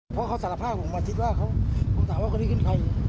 เพราะเค้าสารภาพผมมาดินว่าผมถามว่าคนนี่ก็คือใคร